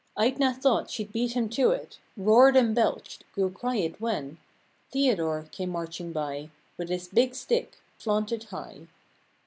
Aetna thought she'd beat him to it; Roared and belched—grew quiet when Theodore came marching by. With his "big stick" flaunted high.